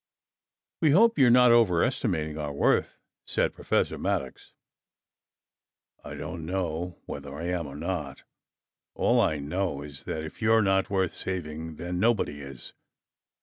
"We hope you're not overestimating our worth," said Professor Maddox. "I don't know whether I am or not! All I know is that if you're not worth saving then nobody is.